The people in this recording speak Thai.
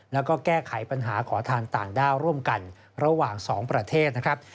แล้วก็แก้ไขปัญหาขอทานต่างด้าวร่วมกันระหว่าง๒ประเทศนะครับ